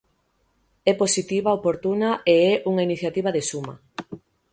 É positiva, oportuna e é unha iniciativa de suma.